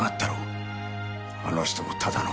あの人もただの官僚だ。